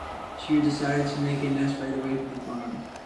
She decided to make a nest right away from the farm.